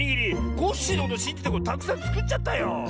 コッシーのことしんじてたくさんつくっちゃったよ。